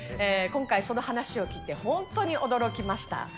今回、その話を聞いて、本当に驚きました。